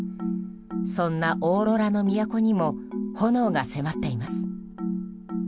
そんなオーロラの都にも炎が迫っています。